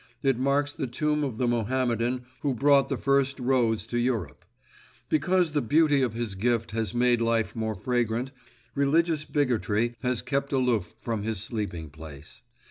It marks the tomb of the Mohammedan who brought the first rose to Europe. Because the beauty of his gift has made life more fragrant, religious bigotry, has kept aloof from his sleeping place.